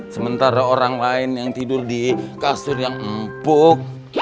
sementara orang lain yang tidur di kasur yang empuk